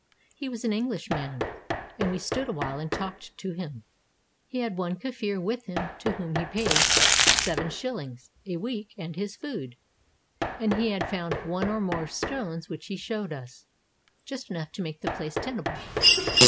He was an Enghshman, and we stood awhile and talked to him. He had one Kafir with him to whom he paid 75. a week and his food, and he too had found one or more stones which he showed us, — just enough to make the place tenable.